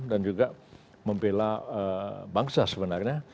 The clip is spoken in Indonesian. juga membela bangsa sebenarnya